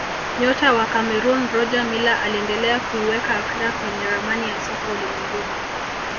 nyota wa cameroon roger miller aliendelea kuiweka afrika kwenye ramani ya soka ulimwenguni